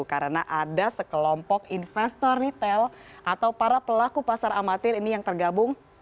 karena ada sekelompok investor retail atau para pelaku pasar amatir ini yang tergabung